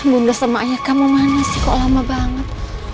bunda semaknya kamu mana sih kok lama banget